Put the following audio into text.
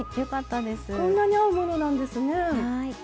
こんなに合うものなんですね。